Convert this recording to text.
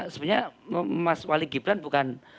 sebenarnya mas wali gibran bukan